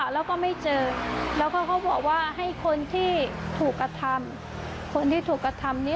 แล้วก็เขาบอกว่าให้คนที่ถูกกระทำคนที่ถูกกระทำนี้